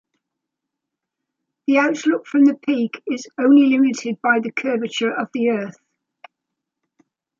The lookout from the peak is only limited by the curvature of the earth.